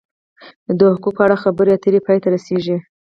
د حقوقو په اړه خبرې اترې پای ته رسیږي.